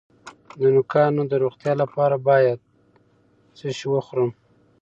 د نوکانو د روغتیا لپاره باید څه شی وخورم؟